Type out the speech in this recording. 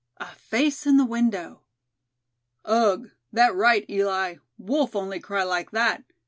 A FACE IN THE WINDOW. "Ugh! that right, Eli; wolf only cry like that!"